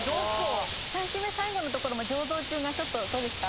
３周目最後のところの「醸造中」がちょっとどうでした？